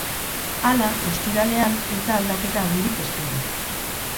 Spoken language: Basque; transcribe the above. Hala, ostiralean ez da aldaketa handirik espero.